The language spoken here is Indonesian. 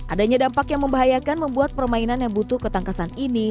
adanya dampak yang membahayakan membuat permainan yang butuh ketangkasan ini